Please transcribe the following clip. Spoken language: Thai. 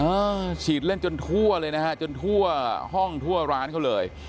เออฉีดเล่นจนทั่วเลยนะฮะจนทั่วห้องทั่วร้านเขาเลย